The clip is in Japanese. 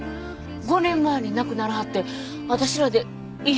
５年前に亡くならはって私らで遺品整理をしたんです。